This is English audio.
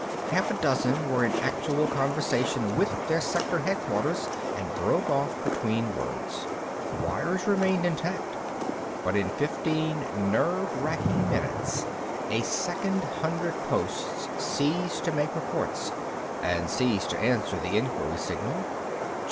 Half a dozen were in actual conversation with their sector headquarters, and broke off between words. The wires remained intact. But in fifteen nerve racking minutes a second hundred posts ceased to make reports and ceased to answer the inquiry signal.